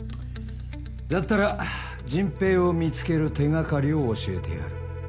だったら迅平を見つける手掛かりを教えてやる。